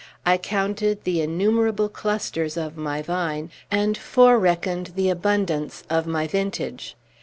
I counted the innumerable clusters of my vine, and fore reckoned the abundance of my vintage.